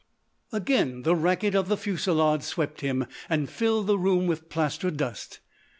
Again the racket of the fusillade swept him and filled the room with plaster dust.